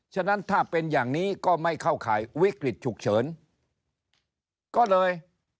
ฉะนั้นถ้าเป็นอย่างนี้ก็ไม่เข้าข่ายวิกฤตฉุกเฉินก็เลย